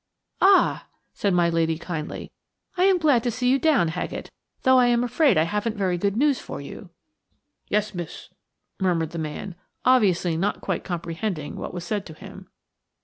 "Ah!" said my lady, kindly; "I am glad to see you down, Haggett, though I am afraid I haven't very good news for you." "Yes, miss!" murmured the man, obviously not quite comprehending what was said to him.